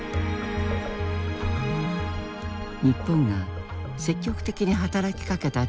日本が積極的に働きかけた中立国。